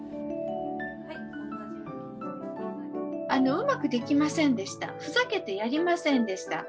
「うまくできませんでした」「ふざけてやりませんでした」